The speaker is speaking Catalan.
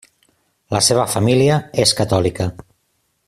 La seva família és catòlica.